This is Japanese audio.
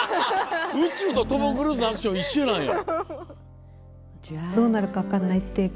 宇宙とトム・クルーズのアクション一緒なんや！